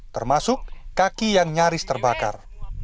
termasuk kaki yang nyaris terbakar